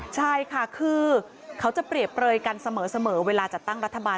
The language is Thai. ใช่ค่ะคือเขาจะเปรียบเปลยกันเสมอเวลาจัดตั้งรัฐบาล